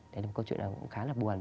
thế là một câu chuyện khá là buồn